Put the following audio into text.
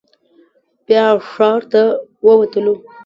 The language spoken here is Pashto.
بیا ښار ته ووتلو.